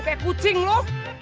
kek kucing lo